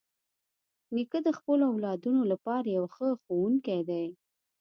نیکه د خپلو اولادونو لپاره یو ښه ښوونکی دی.